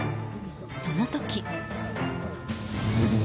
その時。